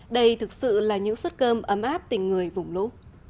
đây thực sự là những suất cơm ấm áp tình người vùng lũ